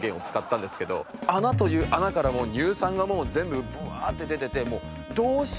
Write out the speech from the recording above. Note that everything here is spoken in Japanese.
穴という穴から乳酸がもう全部ブワーッて出てて。